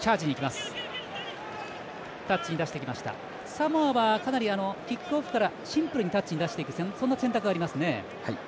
サモアは、かなりキックオフからシンプルにタッチに出していくそんな選択がありますね。